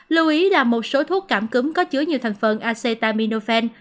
lưu ý là một số thuốc cảm cứng có chứa nhiều thành phần acetaminophen